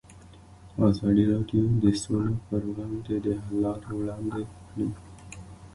ازادي راډیو د سوله پر وړاندې د حل لارې وړاندې کړي.